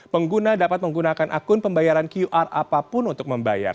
pengguna dapat menggunakan akun pembayaran qr apapun untuk membayar